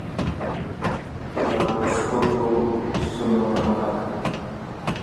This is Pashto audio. ګلاب د ښکلو حسونو نغمه ده.